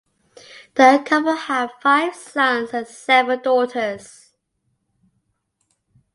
The couple had five sons and seven daughters.